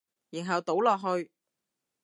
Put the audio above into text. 然後倒落去